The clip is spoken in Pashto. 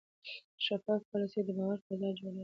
شفاف پالیسي د باور فضا جوړوي.